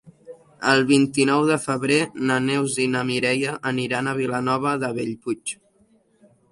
El vint-i-nou de febrer na Neus i na Mireia aniran a Vilanova de Bellpuig.